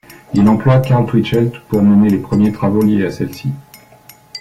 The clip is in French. Il emploie Karl Twitchell pour mener les premiers travaux liés à celle-ci.